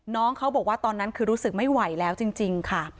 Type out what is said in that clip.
น้องเขาบอกว่าตอนนั้นคือรู้สึกไม่ไหวแล้วจริงค่ะ